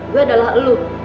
gue adalah elu